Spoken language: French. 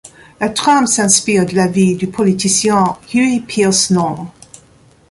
La trame s'inspire de la vie du politicien Huey Pierce Long.